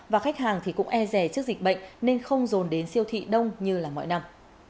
và khách hàng thì cũng e rè trước dịch bệnh nên không dồn đến siêu thị đông như mọi năm